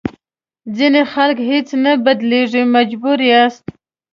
ځینې خلک هېڅ نه بدلېږي مجبور یاست.